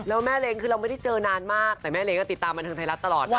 แล้วแม่เล้งคือเราไม่ได้เจอนานมากแต่แม่เล้งติดตามบันเทิงไทยรัฐตลอดนะ